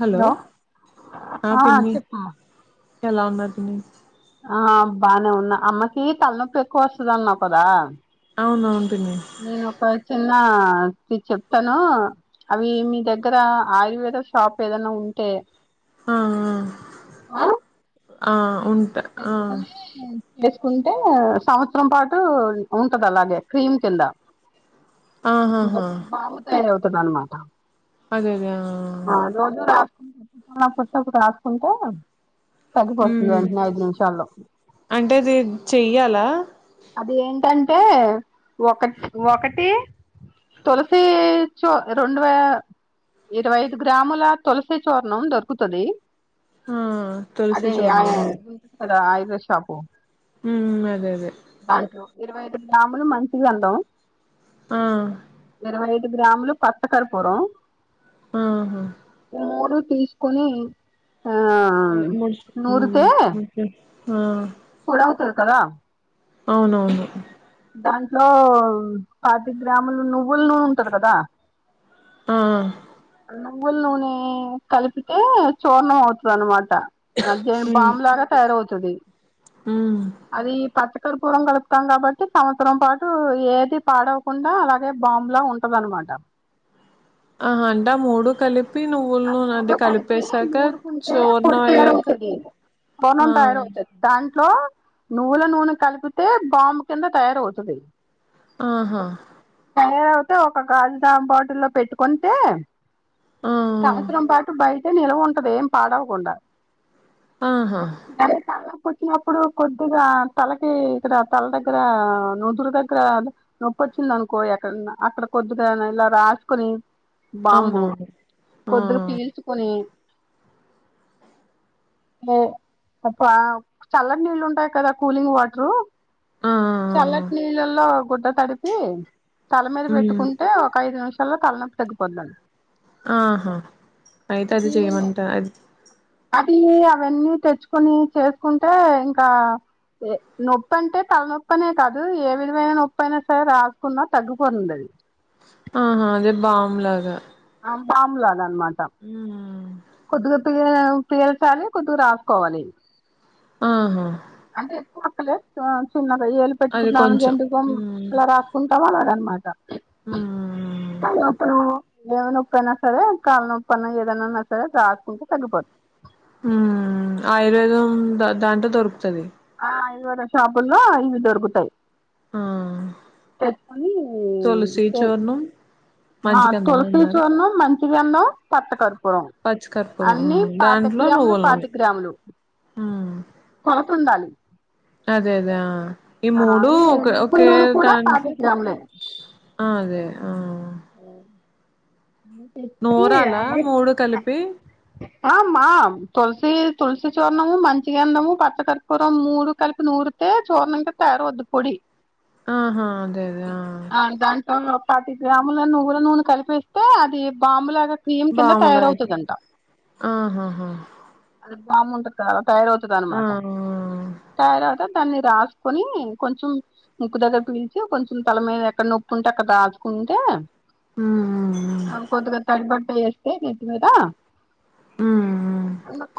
Hello ఆ పిన్ని ఎలా ఉన్నారు పిన్ని ఆ బానే ఉన్నా అమ్మకి తలనొపెక్కువ వస్తదన్నావ్ కదా అవునవును పిన్ని నేనొక చిన్న చిట్ చెప్తాను అవి మీ దగ్గర ఆయుర్వేద షాప్ ఏదన్నా ఉంటే ఆ ఆ ఉంట ఆ వేసుకుంటే సంవత్సరం పాటు ఉంటది అలాగే క్రీమ్ కింద ఆహాహా బావు తయారవుతుందన్నమాట అదదే ఆ ఆ రోజు రాసుకుంట పుట్ట పుట్ట రాసుకుంటే తగ్గిపోతది ఉమ్ వెంటనే ఐదు నిమిషాల్లో అంటే ఇది చెయ్యాలా అది ఏంటంటే ఒక ఒకటి తులసి చో రెండ్ వే ఇరవై ఐదు గ్రాముల తులసి చూర్ణం దొరుకుతది ఆ తులసి అదే ఆ చూర్ణం ఆయుర్వేద్ షాపు హ్మ్ అదే అదే ఇరవై ఐదు గ్రాములు మంచిగంధం ఆ ఇరవై ఐదు గ్రామ్లు పచ్చకర్పూరం ఆహా మూడుటీస్ కొన్ ఆ ముడ్ నూరితే ముద ఆ పొడవుతది కదా అవునవును దాంట్లో పాతి గ్రాములు నువ్వులు నూనె ఉంటది కదా ఆ అన్నం నువ్వుల నూనె కలిపితే చూర్ణం అవుతది అన్నమాట జడ్ బామ్ లాగ తయారవ్ తది ఆ అది పచ్చకర్పూరం కలుపుతం కాబట్టి, సంవత్సరం పాటు ఏది పాడవ కుండా అలాగే బామ్లా ఉంటదన్నమాట. ఆ హ అంటే మూడు కలిప్ పి నువ్వుల ఆ నూనె మూడు అంటే కలిపి కలిపెసాక నూరుకుంటే చూర్ణం అయ్యాక బోనం ఆ తయారవుతది దాంట్లో నువ్వుల నూనె కలిపితే బామ్ కింద తయారవుతది ఆహా తయార అవుతే ఒక గాజుజామ్ బాటిల్లో పెట్టుకుంటే ఆ సంవత్సరం పాటు బయట నిల్వ ఉంటది ఏం పాడవకుండ. ఆహా [unintelligible] కొంచెం అప్పుడుకొద్దిగా తలకి ఇక్కడ తల దగ్గర నూదురు దగ్గర నొప్పొచ్చింది అనుకో ఎక్కడన్న అక్కడ కొద్దిగా ఇలా రాసుకొని బాంబు అవునవును ఆ కొద్దిగా పీల్చుకొని ఓ అబ్బ చల్లటి నీళ్ళు ఉంటాయి కదా కూలింగ్ వాటరు ఆ ఆ! ఆ! చల్లటి నీళ్ళలో గుడ్డ తాడిపి తల మీద హ్మ్ పెట్టుకుంటే ఒక ఐదు నిమిషాల్లో తలనొప్పి తగ్గిపోద్దండి ఆహా అయితే అది ఇది చేయమంటా అది అది అవన్నీ తెచ్చుకొని చేసుకుంటే ఇంకా ఏ నొప్పి అంటే తలనొప్ప అనే కాదు ఏ విధమైన నొప్పైయినా సరే రాసుకున్నా తగ్గిపోతుంది ఆహా అదే బాము లాగా బాము లాగా ఆనమాట ఉ కొద్దిగా పీల్చాలి కొద్దిగా రాసుకోవాలి ఆహా అంటే ఎక్కువ అక్కలే చిన్నగా ఏలు అది పెట్టుకుంటన్నాను కొంచెం జండుబామ్ హ్మ్ ఇలా రా కుంటామన్నార అన్నమాట హ్మ్ అప్పుడు ఏమీ నొప్పైయినా సరే కాళ్ళ నొప్పనా ఏదనాన్నా సరే రాసుకుంటే తగ్గిపోతు ఆ ఆయుర్వేదం ద దాంట్లో దొరుకుతది ఆయుర్వేదషాపుల్లో ఇవి దొరుకుతాయి ఆ పెట్కొని తులసి చూర్ణం ఆ మంచిగంధం తులసి అన్నారు చూర్ణం మం పచ్చిగందం, పచ్చకర్పూరం, పచ్చికర్పూరం అన్ని హ్మ్ పాతిక దాంట్లో గ్రాములు, నువ్వుల నూనె పాతిక గ్రాములు, హ్మ్ కొలతఉండాలి అదే అదే ఈ మూడు ఈ నువ్వుల ఒకే నూనె కూడా దాంట్లో పాతిక గ్రాములే ఆ అదే ఆ అవు నూరాల మూడు కలిపి ఆ అమ్మతులసి తులసి చూర్ణము మంచిగందము పచ్చ కర్పూ పూరం మూడు కలికి నూరితే చూర్ణం గా తయారవుద్ది పొడి ఆహా అదే అదే ఆ దాంట్లో ను పాతిక గ్రాములు నువ్వుల నూనె కలిపేస్ తో అది బాంలాగా క్రీమ్ కింద బాములు అయిపోయి తయారవుతదంట ఆహాహా అది బామ్ ఉంట కాద అలా తయారవుతా ఆ ఆ! అనమాట తయారక దాన్ని రాసుకొని కొంచెం ముక్కు దగ్గర పిలిచి కొంచెం తల మీద ఎక్కడ నొప్పి ఉంటే అక్కడ రాసుకుంటే ఆ కొద్దిగా తడిబట్ట వేస్తే నెత్తి మీద హ్మ్.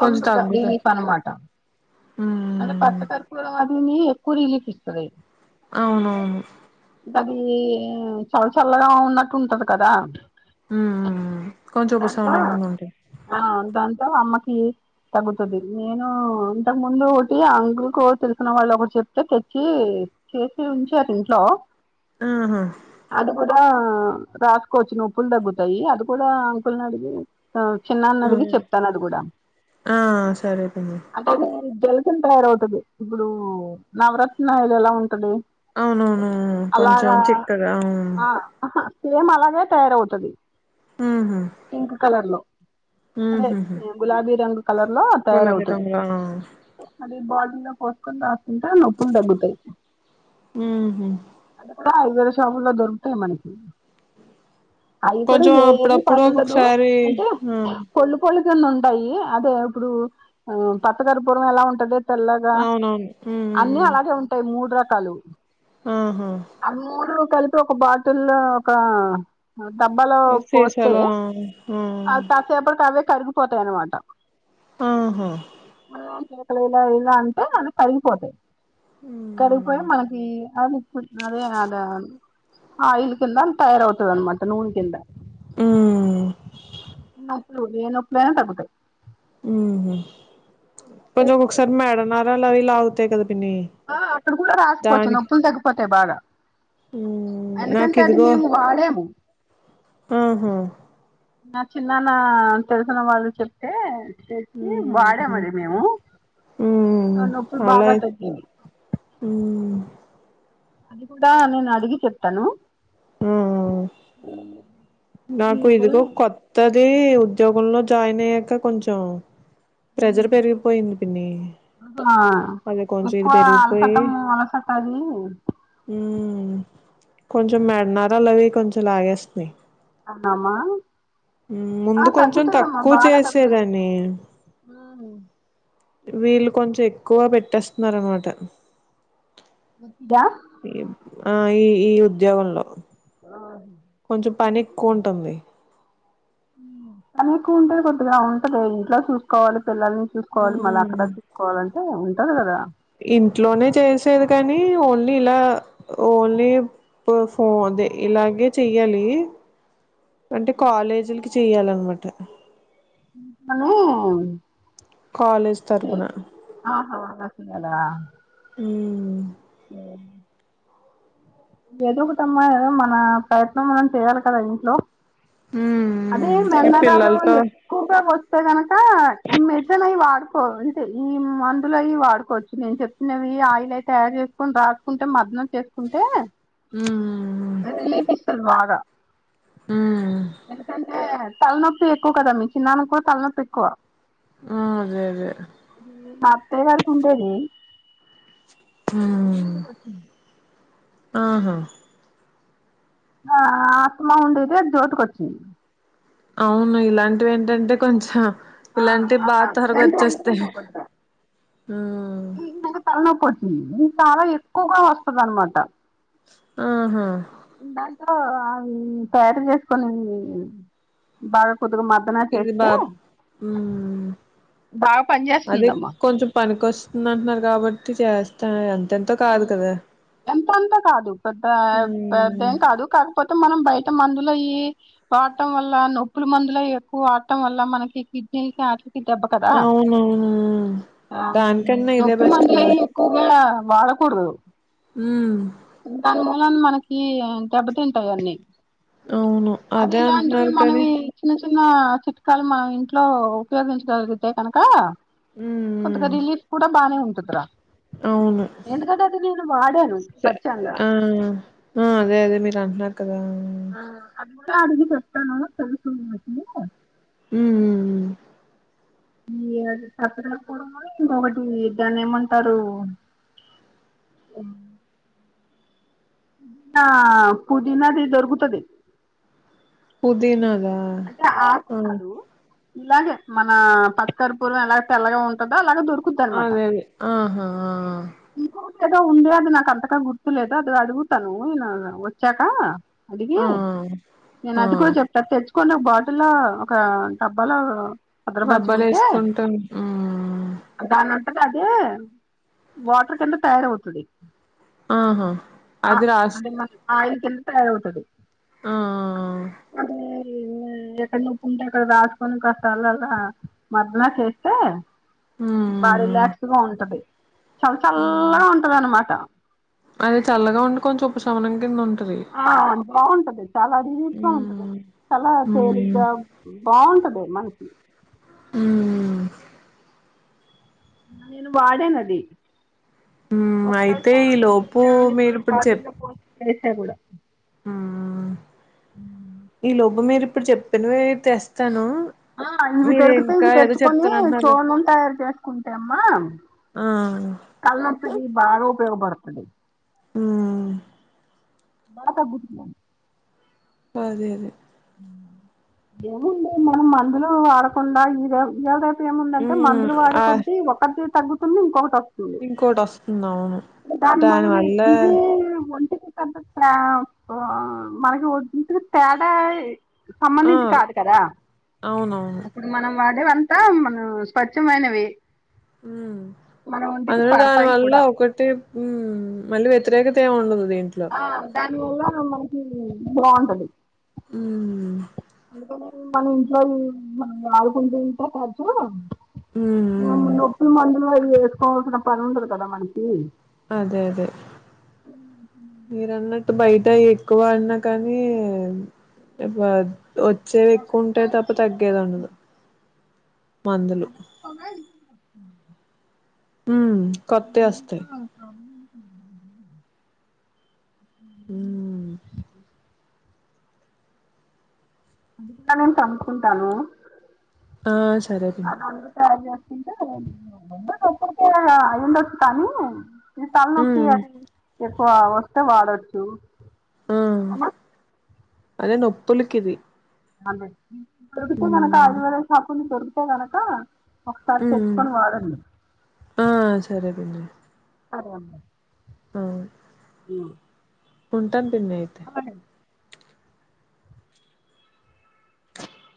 కొంచెం తగ్గుతాయి రిలీఫ్పనమాట అంటే పచ్చ హ్మ్ కర్పూరం అదిని ఎక్కువ రిలీఫ్ ఇస్తది అవునవును అది చల్ల చల్లగా ఉన్నట్టు ఉంటది కదా ఆ దాంతో ఆ దాంతో అమ్మకి తగ్గుతుంది నేను అంతకు ముందు ఒకటి ఆ అంకుల్కో తెలిసిన వాళ్ళు ఒకటి చెప్తే తెచ్చి చేసే ఉంచారు ఇంట్లో ఆహా అది కూడా రాసుకోవచ్చు నొప్పులు తగ్గుతాయి అది కూడా అంకుల్ని అడిగి చిన్నాన్నని అడిగి హ్మ్ చెప్తాను అది కూడా ఆ సరే పిన్ని అది జలగన్ తయారవుతుది ఇప్పుడు నవరత్నా ఆయిల్ ఎలా ఉంటది అవునవును అలాగా కొంచెం చిక్కగా అవు ఆ సేమ్ అలాగే తయారవుతది ఉహు పింక్ కలర్ లో అదే గులాబీ రంగు కలర్ లో గులాబీ తయారవుతది రంగులా అది బాటిల్ లో పోసుకొని రాస్కుంటే నొప్పులు తగ్గుతాయి ఉ హ్ అవి కూడా షాపుల్లో దొరుకుతాయి మనకి అయి కూడా కొంచెం ఏమి అప్పుడప్పుడు పనుండదు ఒక్కొక్కసారి అంటే ఆ కోళ్ళు పోలీసెన్ ఉంటాయి అదే ఇప్పుడు ఆహ్ పచ్చ కర్పూరం ఎలా ఉంటదో తెల్లాగా అవునవును అన్ని ఉమ్ అలాగే ఉంటాయి మూడు రకాలు ఆహా ఆ మూడు కలిపి ఒక బాటిల్ లొ ఒక డబ్బాలో పోస్తే శేషాలు ఆ అ కసేపటికి అవే కరిగిపోతాయి అన్నమాట ఆహా చేతులు ఇలా ఇలా అంటే మనయి తరిగిపోతాయి ఉ కడుగిపోయా మనకి అదిప్పు అద ఆయిల్ కిందమ్ తయార అవుతది అన్నమాట నూన్ కింద ఉమ్ నాకు ఏ నొప్పైన తగ్గుతయి ఎప్పుడో ఒక్కొకసారి మేడ నరాలు ఆవి లాగుతయి కద పిన్ని ఆ అక్కడ కూడా రాసుకోవచ్చు దానికి నొప్పులు తగ్గిపోతాయి బాగా ఉమ్ నాకు ఎందుకంటే అది ఇదిగో మేము వాడాము ఆహా నా చిన్నన్న తెలిసిన వాళ్ళు చెప్ అంటె తెచ్చి వాడాం ఉమ్ అది మేము ఉమ్ నొప్పులు బాగా తగ్గాయి ఊ అది కూడా నేను అడిగి చెప్తాను ఆ నాకు ఇదిగో కొత్తది ఉద్యోగంలో జాయిన్ అయ్యాక కొంచెం ప్రెజర్ పెరిగిపోయింది పిన్నీ ఆహ్ ఎక్కువ అలసటం అలసట అయి మ్ కొంచెం మెడ నరాలు అవి కొంచెం లాగేస్తునై ఆహా మా ముందు కొంచెం తక్కువ చేసేదని ఆ వీళ్ళు కొంచెం ఎక్కువ పెట్టేస్తున్నారు అనమాట వచ్చిద ఈ ఆ ఈ ఈ ఉద్యోగంలో కొంచెం పని ఎక్కువ ఉంటుంది [inaudible] పని కూడా కొద్దిగా ఉంటది ఇంట్లో చూసుకోవాలి పిల్లల్ని చూసుకోవాలి మళ్ళ ఉమ్ అక్కడ చూసుకోవాలంటే ఉంటాది కదా ఇంట్లోనే చేసేది కానీ ఓన్లీ ఇలా ఓన్లీ పఫో అదే ఇలాగే చెయ్యాలి అంటే కాలేజీలకి చెయాలన్నమాట అని కాలేజ్ తరపున ఆహ గచ్చు కదా ఊ ఆ ఎదుగుతమ్మాయి కదా మన ప్రయత్నం మనం చేయాలి కదా ఇంట్లో ఊ అదే మెల్లగాలుంది ఎక్కువగా వస్తే గనక ఈ మెడిసైన్ అవి వాడుకో అంతె ఈ మందులు అయి వాడుకోవచ్చు నేను చెప్ నవి ఆయిల్ అయి తయారు చేసుకొని రాసుకుంటే మర్థన చేసుకుంటే ఊ అది రిలీఫ్ ఇస్తది బాగా ఉమ్ ఎందుకంటే తలనొప్పి ఎక్కువ కదా మీ చిన్నన్నానికి కూడా తలనొప్పి ఎక్కువ ఆ అదే అదే అది మా అతె గారికి ఉండేది అది ఉమ్ ఈమెకు వచ్చింది ఆహా ఆ ఆత్మ ఉండతే అది జోటుకి వచ్చింది అవును ఇలాంటివి ఏంటంటే కొంచెం ఆ, ఇలాంటి ఆ, బాగా త్వరగా ఇలాంటివి వచ్చేస్తాయి అంటుకుంటాయి కొద్దిగా ఊ తల నొప్పి వచ్చింది ఇది చాలా ఎక్కువగా వస్తదనమాట ఆహా దాంతో అవి తయారు చేసుకొని బాగా కొద్దిగా మాత్ సాధనా ఇది చేస్తే బా ఉమ్ బాగా పని అదే చేస్తుందమ్మా కొంచెం పనికొస్తుంది అంటున్నారు కాబట్టి చేస్తా అంతె ఊ ఎంతంతా కాదు పెద్ద పెద్ద ఉమ్ ఏం కాదు కాకపోతే మనం బయట మందులయి వాడటం వల్ల నొప్పుల మందుల ఎక్కువ వాడటం వల్ల మనకి కిడ్నీకి ఆటి కి దబ్బ కదా నవున అవును నొప్పి మందులు ఏయి ఎక్కువ కూడ వాడకూడదు ఊ దాని మూలన మనకి దెబ్బతింటాయి అన్నీ అవును అది అదే ఇలాంటివి అంటున్నారు కానీ మనవి చిన్న చిన్న చిట్కాలు మా ఇంట్లో ఉపయోగించుకొగలిగితే కనక ఉమ్ కొంతగా ఉమ్ రిలీఫ్ కూడా బానే ఉంటదిరా అవును ఎందుకంటే అది నేను వాడాను స్వచ్ఛంగ మ్మ్ మ్ అదే అదే మీరు అంటున్నారు కదా అంతా అడిగి చెప్తాను తెలుసున్ లే ఉమ్ ఉమ్ ఏర్ సత్తరేకపోవడం వల్ల పొగొట్టింది దాన్ని ఏమంటారు ఆ పుదీనాది దొరుకుతది పుదీనదా అంటే ఆకు కాదు ఇలాగే మన పచ్చకర్పూరం ఎలాగ తెల్లగా ఉంటందో అలాగ దొ అదే అదే ఆహా ఆ ఇంకోటేదో ఉంది అది నాకు అంతగా గుర్తులేదు అది అడుగుతాను నేను వచ్చాక అడగీ ఆ నేను ఆ. అది కూడా చెప్తా తెచ్చు కొన్న బాటిల ఒక డబ్బాల డబ్బాలు భద్రపరచుకుంటే వేసుకుంటాం ఉమ్ దాని అంతట అదే వాటర్ కింద తయారవుతది ఆహా ఆ అది రాస్ అంటే మన్ ఆయిల్ కింద తయారవుతది ఆ ఆ అదే ఎక్కడ నొప్పింటే అక్కడ రాసుకొని కాస్త అల అల మర్దన చేస్తే బా ఉమ్ రిలాక్స్గా ఉంటది చాలా ఉమ్ చల్లగా ఉంటది అన్నమాట అది చల్లగా ఉండి కొంచెం ఉపశమనం కింద ఉన్ ఆ బావుంటది చాలా రిలీఫ్గా ఉంటది అ మ్మ్ చాలా మ్మ్ తేలిగ్గా బావుంటది మనకి హ్మ్ నేను వాడేనది అయితే ఈ లోపు మీరు ఇప్పుడు చెప్ వేస గుడా మ్మ్ ఈ లోపూ మీరు ఇప్పుడు చెప్పినవి తెస్తను ఇవి దొరికితే ఇవి తెచ్చుకొని కదా చూర్ణం తయారు చేసుకుంటె అమ్మా ఆ కల్లోసగి బాగా ఉపయోగ పడతాయి హ్మ్ వాత గు అదే అదే ఏముంది మనం మందులు వాడకుండా ఈరో ఈయళ్ రేప్ ఏముందంటే మ్మ్ మందులు వాడే ఆ కొద్ది ఒకటి తగ్గుతుంది ఇంకొకటి వస్తుంది ఇంకోటి వస్తుంది అవును దాని మొలనే ఇవే ఒంటికి కంత తేవ్ వా మనకి వద్దింటికి తేడాయ్ ఆ సంబంధించి కాదు కదా అవునవును మనం వాడేవంతా మన స్వచ్ఛమైనవి మ్ మన ఒంటికి అందులో పడతాయి దానివల్ల కూడా ఒకటే హ్మ్ మళ్ళీ వ్యతిరేకత ఏం ఉండదు దీంట్లో దాని వల్ల మనకి బావుంటది ఉమ్ అందుకని మనం ఇంట్లోఈ మనం వాడుకుంటూ ఉంటే ఖచ్చ ఉమ్ ఉమ్ నొప్పి మందులు అవి వేసుకోవాల్సిన పని ఉండదు కదా మనకి అదే అదే మీరు అన్నట్టు బయట ఎక్కువ అన్నా కానీ ఇప్పు వచ్చేది ఎక్కువ ఉంటే తప్ప తగ్గేది ఉండదు మందులు పోగా [unintelligible] ఉమ్ కొత్తయి వస్తయ్ [inaudible] ఊ టనున్ చంపుకుంటాను ఆ సరే అం [inaudible] సార్ చెప్పింటే [inaudible] ఉండొచ్చు కానీ తలనొప్పి హ్మ్ అది ఎక్కువ వస్తే వాడొచ్చు ఆ అదే నొప్పులుకి ఇది అదే దొరుకుతే మనకు హ్మ్ ఆదివారం [inaudible] దొరుకుతే కనక ఒకసారి హ్మ్ తెచ్చుకొని వాడండి ఆ సరే సరే అమ్మా ఊ ఊ కొంటాను పిన్ని ఐతే పనన్